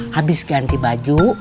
habis ganti baju